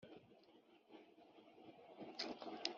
igisubizo kinini ni kwihanganira.